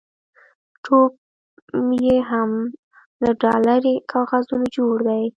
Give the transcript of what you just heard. ټوپ یې هم له ډالري کاغذونو جوړ دی.